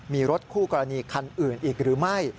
มีรถคู่กรณีคันอื่นอีกหรือไม่